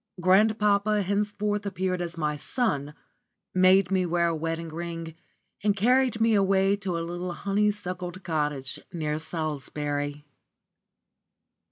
Grandpapa henceforth appeared as my son, made me wear a wedding ring, and carried me away to a little honeysuckle covered cottage near Salisbury.